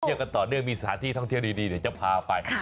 กันต่อเนื่องมีสถานที่ท่องเที่ยวดีเดี๋ยวจะพาไป